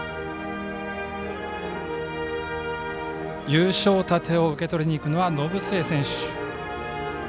優勝盾を受け取りに行くのは延末選手。